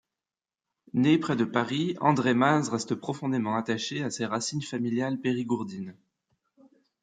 Née près de Paris, Andrée Maze reste profondément attachée à ses racines familiales périgourdines.